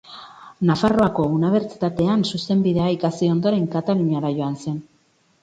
Nafarroako Unibertsitatean zuzenbidea ikasi ondoren, Kataluniara joan zen.